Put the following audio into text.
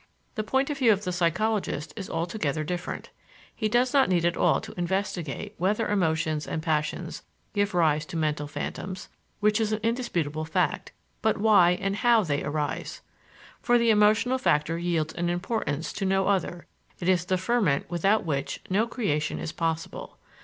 The point of view of the psychologist is altogether different. He does not need at all to investigate whether emotions and passions give rise to mental phantoms which is an indisputable fact but why and how they arise. For, the emotional factor yields in importance to no other; it is the ferment without which no creation is possible.